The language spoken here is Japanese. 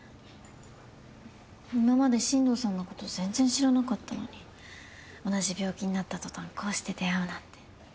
今まで進藤さんのこと全然知らなかったのに同じ病気になった途端こうして出会うなんて。